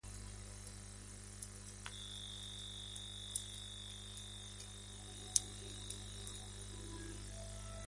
En un área de Lancaster, el Distrito Escolar Independiente de Dallas gestiona escuelas públicas.